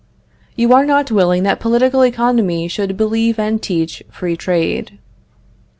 You are not willing that political economy should believe and teach free trade.